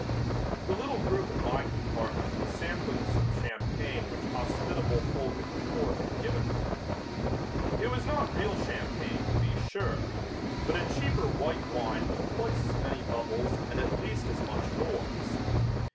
The little group in my compartment was sampling some champagne which hospitable folk at the port had given them. It was not real champagne, to be sure, but a cheaper white wine with twice as many bubbles and at least as much noise.